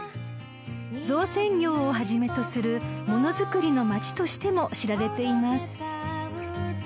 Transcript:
［造船業をはじめとするものづくりのまちとしても知られています］